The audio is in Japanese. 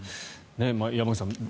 山口さん